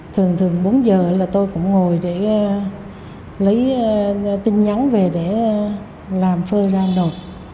thường thường bốn giờ là tôi cũng ngồi để lấy tin nhắn về để làm phơi ra nộp